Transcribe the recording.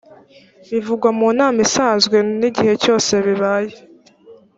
bivugwa mu nama isanzwe n’igihe cyose bibaye